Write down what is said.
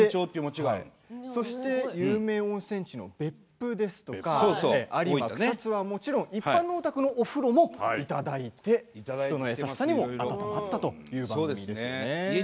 そして有名温泉地の別府有馬、草津はもちろん一般のお宅のお風呂もいただいて人の優しさにも温まったという番組ですね。